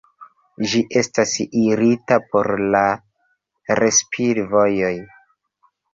Ĝi estas irita por la respir-vojoj.